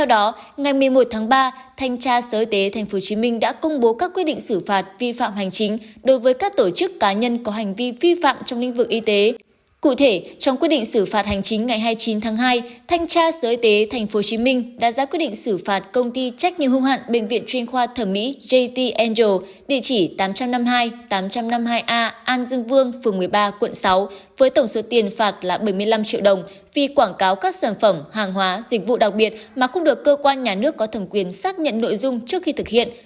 các giới tế tp hcm đã ra quyết định xử phạt công ty trách nhiệm hung hạn bệnh viện chuyên khoa thẩm mỹ jt angel địa chỉ tám trăm năm mươi hai tám trăm năm mươi hai a an dương vương phường một mươi ba quận sáu với tổng số tiền phạt là bảy mươi năm triệu đồng vì quảng cáo các sản phẩm hàng hóa dịch vụ đặc biệt mà không được cơ quan nhà nước có thẩm quyền xác nhận nội dung trước khi thực hiện